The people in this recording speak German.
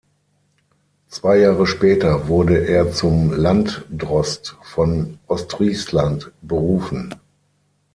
Zwei Jahre später wurde er zum Landdrost von Ostfriesland berufen.